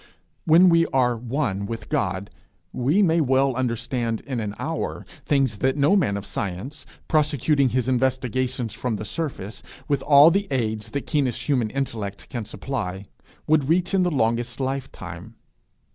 When we are one with God we may well understand in an hour things that no man of science, prosecuting his investigations from the surface with all the aids that keenest human intellect can supply, would reach in the longest lifetime.